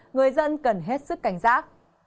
người dân cần hết sức cảnh giác